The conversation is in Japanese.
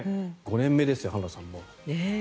５年目ですよ、浜田さん。